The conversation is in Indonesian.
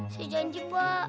saya janji pak